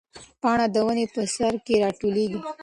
پاڼه د ونې په سر کې راټوکېږي.